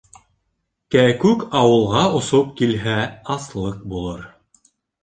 Кәкүк ауылға осоп килһә, аслыҡ булыр.